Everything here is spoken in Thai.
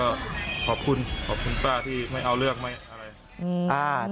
ก็ขอบคุณขอบคุณป้าที่ไม่เอาเรื่องไม่อะไร